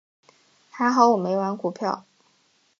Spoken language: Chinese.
还好我没玩股票。